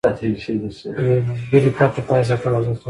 خو د یوه ملګري پته په یاد ساتل ارزښت لري.